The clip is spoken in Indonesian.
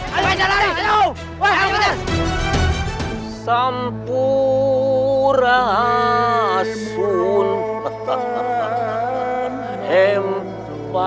kejar dia ayo kejar